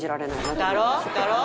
だろ？